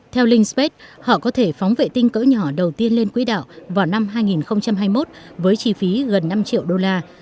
theo linh space họ có thể phóng vệ tinh cỡ nhỏ đầu tiên lên quỹ đạo vào năm hai nghìn hai mươi một với chi phí gần năm triệu đô la